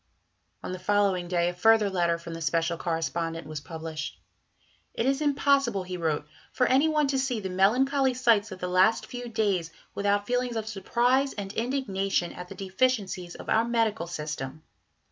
On the following day a further letter from the "Special Correspondent" was published. "It is impossible," he wrote, "for any one to see the melancholy sights of the last few days without feelings of surprise and indignation at the deficiencies of our medical system.